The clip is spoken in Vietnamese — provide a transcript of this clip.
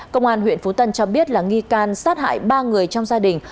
công an huyện phú tân cho biết là nghi can sát hại ba người trong gia đình